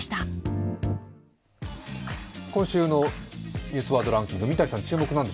今週の「ニュースワードランキング」、三谷さん